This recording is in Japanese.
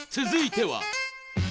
続いては。